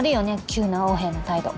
急な横柄な態度。